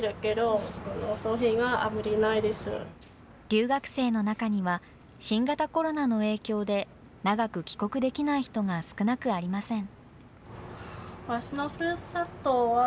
留学生の中には、新型コロナの影響で、長く帰国できない人が少なくありません。